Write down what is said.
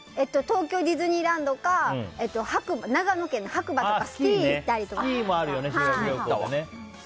東京ディズニーランドか長野県の白馬にスキーに行ったりしました。